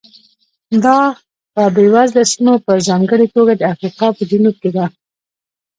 دا په بېوزله سیمو په ځانګړې توګه د افریقا په جنوب کې ده.